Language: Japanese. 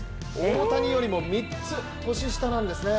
大谷よりも３つ年下なんですね。